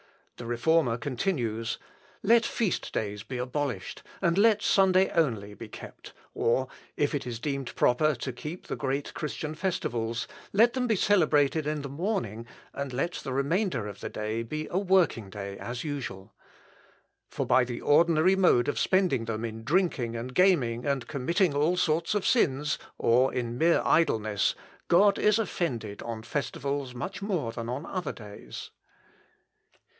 The Reformer continues: "Let feast days be abolished, and let Sunday only be kept, or if it is deemed proper to keep the great Christian festivals, let them be celebrated in the morning, and let the remainder of the day be a working day as usual. For by the ordinary mode of spending them in drinking and gaming and committing all sorts of sins, or in mere idleness, God is offended on festivals much more than on other days."